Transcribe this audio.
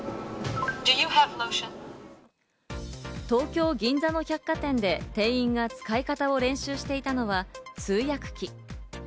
東京・銀座の百貨店で店員が使い方を練習していたのは通訳機。